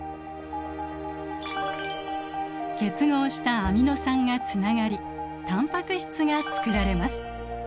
結合したアミノ酸がつながりタンパク質がつくられます。